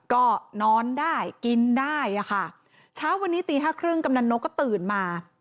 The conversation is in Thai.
ก็นอนได้กินได้อะค่ะเช้าวันนี้ตีห้าครึ่งกำนันนกก็ตื่นมา